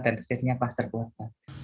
dan terjadinya pahas terbuat